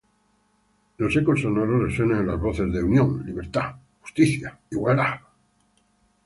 los ecos sonoros resuenen con las voces de -Union! -Libertad!